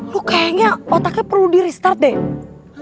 lu kayaknya otaknya perlu di restart deh